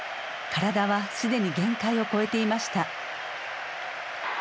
体は既に限界を超えていました。